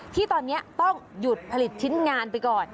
ที่ตอนนี้ต้องหยุดผลิตชิ้นงานไปก่อน